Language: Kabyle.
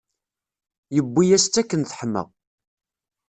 Yewwi-yas-tt akken teḥma.